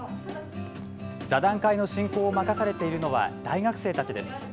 座談会の進行を任されているのは大学生たちです。